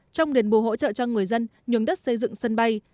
trong đền bù hỗ trợ cho người dân nhường đất xây dựng sân bay